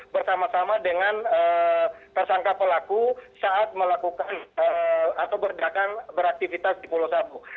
bersama sama dengan tersangka pelaku saat melakukan atau berdakan beraktivitas di pulau sabu